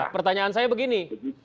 pertanyaan saya begini